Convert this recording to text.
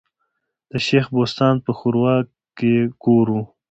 د شېخ بستان په ښوراوک کي ئې کور ؤ.